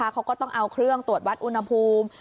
เขาก็ต้องเอาเครื่องตรวจวัดอุณหภูมิ